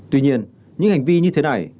tuy nhiên những hành vi như thế này